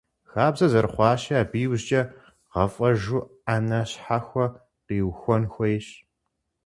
Хабзэ зэрыхъуащи, абы иужькӀэ гъэфӀэжу Ӏэнэ щхьэхуэ къиухуэн хуейщ.